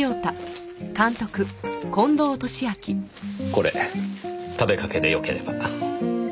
これ食べかけでよければ。